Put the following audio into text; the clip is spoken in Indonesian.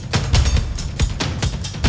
bersih tau bersih